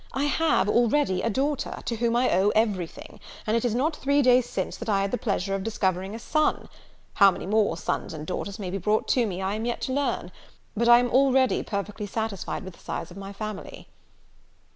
I have already a daughter, to whom I owe everything; and it is not three days since that I had the pleasure of discovering a son: how many more sons and daughters may be brought to me, I am yet to learn; but I am already perfectly satisfied with the size of my family."